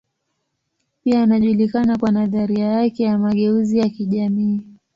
Pia anajulikana kwa nadharia yake ya mageuzi ya kijamii.